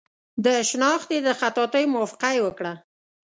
د شنختې د خطاطۍ موافقه یې وکړه.